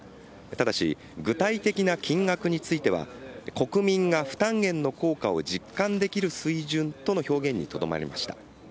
ただし、具体的な金額については、国民が負担減の効果を実感できる水準との表現にとどまりました。